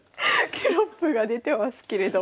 テロップが出てますけれども。